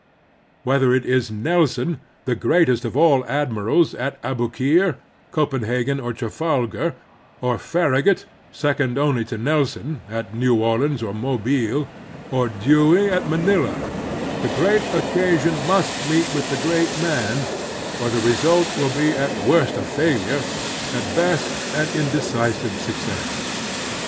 Whether it is Nelson, the greatest of all admirals, at Abukir, Copenhagen, or Trafalgar ; or Farragut, second only to Nelson, at New Orleans or Mobile ; or Dewey at Manila— the great occasion must meet with the great man, or the result will be at worst a failure, at best an indecisive success.